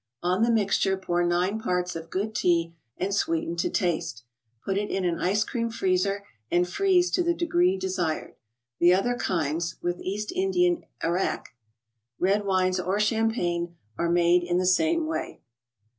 On the mixture pour nine parts of good tea, and sweeten to taste. Put it in an ice cream freezer and freeze to the degree desired. The other kinds, with East Indian arrack, red wines or champagne, are made in the same way.